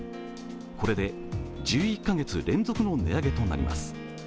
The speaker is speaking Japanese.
これで１１カ月連続の値上げとなります。